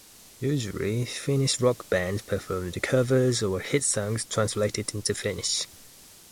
Usually Finnish rock bands performed covers or hit songs translated into Finnish.